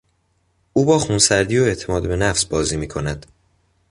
او با خونسردی و اعتماد به نفس بازی میکند.